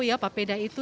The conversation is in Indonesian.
iya papeda itu